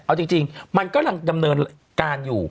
เอาจริงมันกำลังดำเนินการอยู่